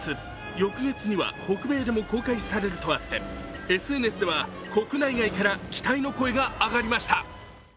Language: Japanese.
翌月には北米でも公開されるとあってＳＮＳでは国内外から期待の声が上がりました。